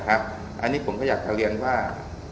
อันนี้ผมก็อยากจะเรียนว่า